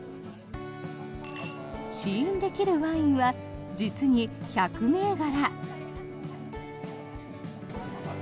試飲できるワインは実に１００銘柄。